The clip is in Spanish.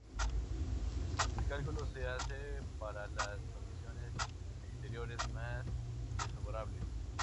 El cálculo se hace para las condiciones exteriores más desfavorables.